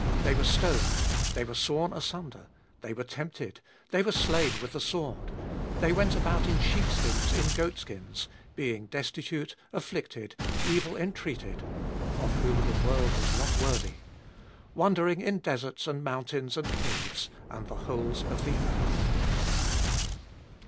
They were stoned, they were sawn asunder, they were tempted, they were slain with the sword : they went about in sheepskins, in goatskins : being destitute, afflicted, evil entreated 38. (Of whom the world was not worthy), wandering in deserts and moun tains and caves, and the holes of the earth.